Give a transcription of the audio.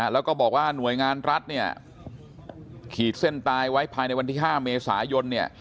แล้วก็บอกว่าหน่วยงานรัฐเนี่ยขีดเส้นตายไว้ภายในวันที่๕เมษายนเนี่ย